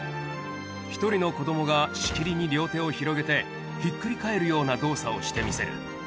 １人の子どもがしきりに両手を広げてひっくり返るような動作をしてみせる。